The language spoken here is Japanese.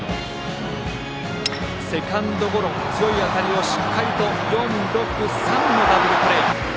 セカンドゴロ、強い当たりをしっかりと４―６―３のダブルプレー。